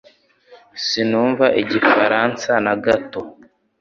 Sinumva Igifaransa na gato